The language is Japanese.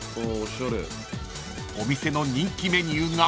［お店の人気メニューが］